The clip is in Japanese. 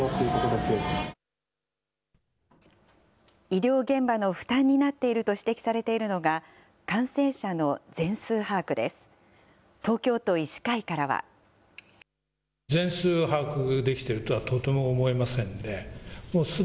医療現場の負担になっていると指摘されているのが、感染者の全数把握です。